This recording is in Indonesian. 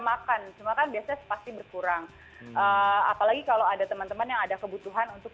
makan cuma kan biasanya pasti berkurang apalagi kalau ada teman teman yang ada kebutuhan untuk